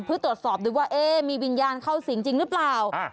เพื่อตรวจสอบดูว่ามีวิญญาณเข้าสิงจริงหรือเปล่า